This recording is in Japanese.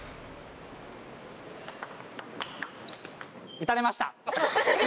打たれました！